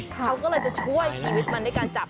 เขาก็เลยจะช่วยชีวิตมันด้วยการจับ